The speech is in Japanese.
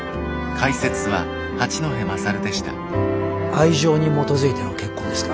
愛情に基づいての結婚ですか？